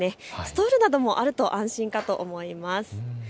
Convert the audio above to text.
ストールなどもあると安心かと思います。